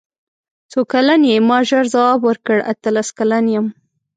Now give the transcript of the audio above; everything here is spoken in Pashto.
څو کلن یې ما ژر ځواب ورکړ اتلس کلن یم.